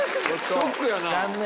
ショックやな。